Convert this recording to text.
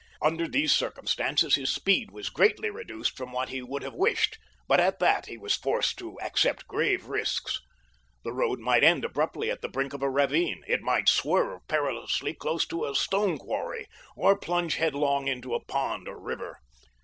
Under these circumstances his speed was greatly reduced from what he would have wished, but at that he was forced to accept grave risks. The road might end abruptly at the brink of a ravine—it might swerve perilously close to a stone quarry—or plunge headlong into a pond or river.